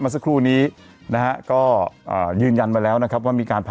สักครู่นี้นะฮะก็ยืนยันมาแล้วนะครับว่ามีการพา